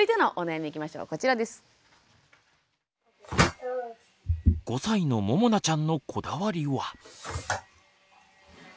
５歳のももなちゃんのこだわりは。